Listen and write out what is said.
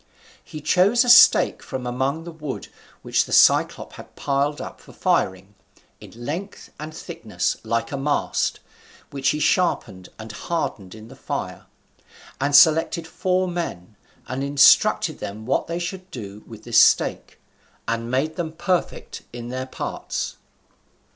He chose a stake from among the wood which the Cyclop had piled up for firing, in length and thickness like a mast, which he sharpened and hardened in the fire, and selected four men, and instructed them what they should do with this stake, and made them perfect in their parts.